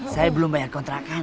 saya belum bayar kontrakan